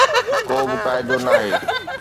ڪو به قاعدو ناهي.